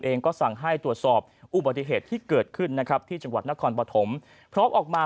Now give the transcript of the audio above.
เองก็สั่งให้ตรวจสอบอุบัติเหตุที่เกิดขึ้นนะครับที่จังหวัดนครปฐมพร้อมออกมา